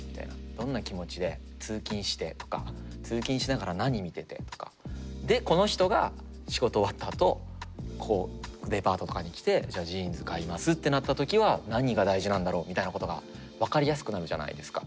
どんな気持ちで通勤してとか通勤しながら何見ててとかでこの人が仕事終わったあとこうデパートとかに来てじゃあジーンズ買いますってなった時は何が大事なんだろうみたいなことが分かりやすくなるじゃないですか。